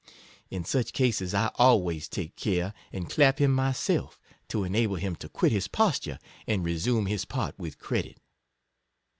In such cases, I always take care and clap him myself, to enable him to quit his pos ture, and resume his part with credit.